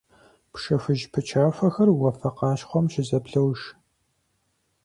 Пшэ хужь пычахуэхэр уафэ къащхъуэм щызэблож.